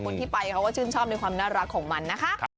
คนที่ไปเขาก็ชื่นชอบในความน่ารักของมันนะคะ